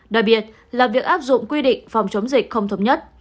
đặc biệt là việc áp dụng quy định phòng chống dịch không thống nhất